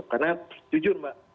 karena jujur mbak